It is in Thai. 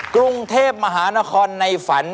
กรุงเทพมหานครในฝัน